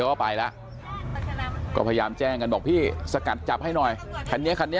เขาก็จอดซ้ายเลย